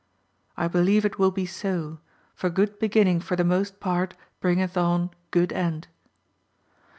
I believe it will be so, for good beginning for the most part bringeth on good end.